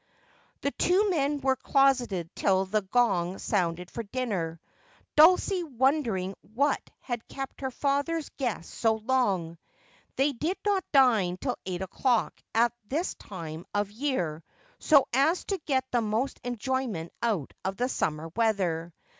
The two men were closeted till the gong sounded for dinner, Dulcie wondering what had kept her father's guest so long. They did not dine till eight o'clock at this time of the year, so as to get the most enjoyment out of the summer weather.